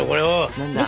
何だ。